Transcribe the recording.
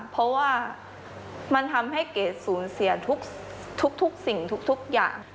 เพราะว่ามันทำให้เกรดสูญเสียทุกสิ่งทุกอย่าง